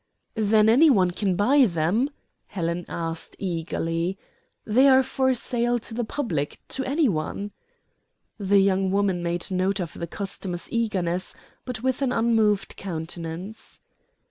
"Then any one can buy them?" Helen asked eagerly. "They are for sale to the public to any one?" The young woman made note of the customer's eagerness, but with an unmoved countenance.